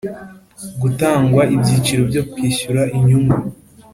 Gutangwa ibyiciro byo kwishyura inyungu